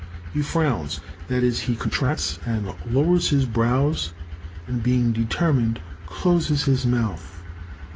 He frowns,—that is, he contracts and lowers his brows,—and, being determined, closes his mouth.